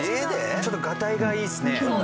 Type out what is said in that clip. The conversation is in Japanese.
ちょっとガタイがいいですね。